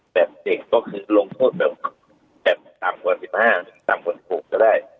แบบเด็กก็คือลงโทษแบบต่ำกว่า๑๕๑๖ก็ได้